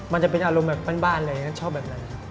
มันจะเป็นอารมณ์แบบบ้านเลยชอบแบบนั้น